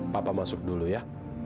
papa masuk dulu ya